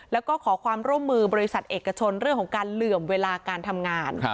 แล้วก็ขอความร่วมมือบริษัทเอกชนเรื่องของการเหลื่อมเวลาการทำงาน